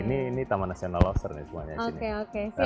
ini taman nasional lauser nih semuanya